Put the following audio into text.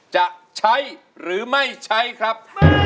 จะใช้หรือไม่ใช้ครับ